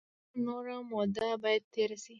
څومره نوره موده باید تېره شي.